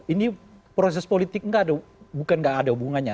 ini proses politik bukan tidak ada hubungannya